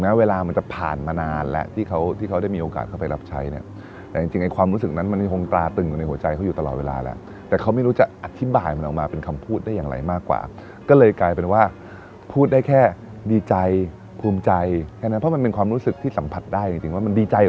มันดีใจแล้วทุกคนต้องมีโอกาสดีใจ